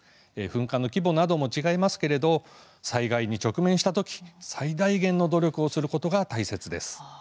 噴火の規模なども違いますが災害に直面したとき、最大限の努力をすることが大切です。